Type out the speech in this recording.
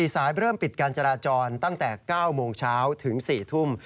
สายเริ่มปิดการจราจรตั้งแต่๙โมงเช้าถึง๔ทุ่ม